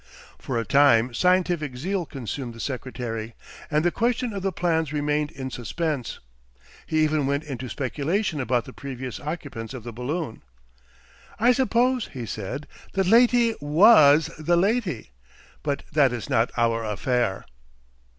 For a time scientific zeal consumed the secretary, and the question of the plans remained in suspense. He even went into speculation about the previous occupants of the balloon. "I suppose," he said, "the laty WAS the laty. Bot that is not our affair.